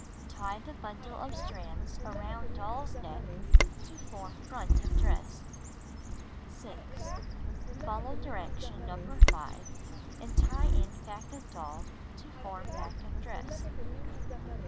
Tie the bundle of strands around doll's neck to form front of dress. 6. Follow dh'ection No. 5 and tie in back of doll to form back of dress.